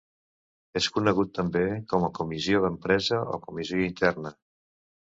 És conegut també com a comissió d'empresa o comissió interna.